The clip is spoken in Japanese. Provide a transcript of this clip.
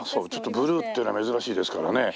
ブルーっていうのは珍しいですからね。